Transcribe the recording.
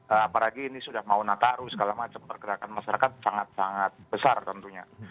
apalagi ini sudah mau nataru segala macam pergerakan masyarakat sangat sangat besar tentunya